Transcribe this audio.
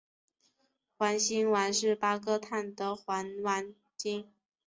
环辛烷是八个碳的环烷烃。